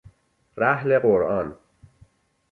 رحل قرآن